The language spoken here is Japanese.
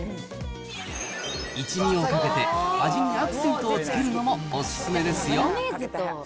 一味をかけて、味にアクセントをつけるのもお勧めですよ。